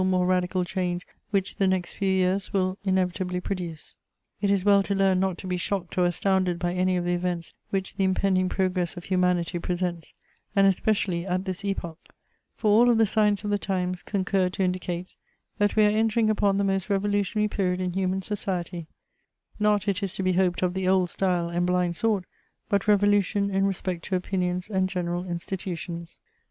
vii more radical change which the next few years will inevitably produce. It is well to learn not to be shocked or astounded by any of the events which the impending progress of humanity presents, and especially at this epoch ; for all of the signs of the times concur to indicate that we are entering upon the most revolutionary period in human society, not it is to be hoped of the old style and blind sort, but revolution in respect to opinions and general institutions.